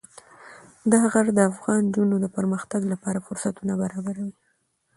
دا غر د افغان نجونو د پرمختګ لپاره فرصتونه برابروي.